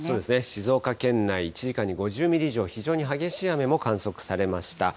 静岡県内、１時間に５０ミリ以上、非常に激しい雨も観測されました。